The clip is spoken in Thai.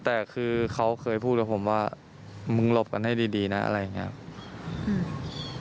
แต่คือเขาเคยพูดกับผมว่ามึงหลบกันให้ดีดีนะอะไรอย่างเงี้ยอืม